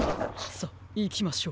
さあいきましょう。